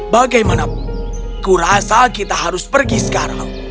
bagaimanapun kurasa kita harus pergi sekarang